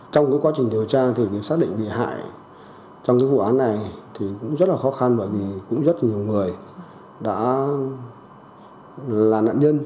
trong quá trình điều tra thì xác định bị hại trong cái vụ án này thì cũng rất là khó khăn bởi vì cũng rất nhiều người đã là nạn nhân